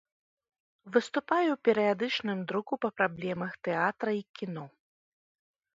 Выступае ў перыядычным друку па праблемах тэатра і кіно.